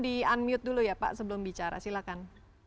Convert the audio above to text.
di unmute dulu ya pak sebelum bicara silakan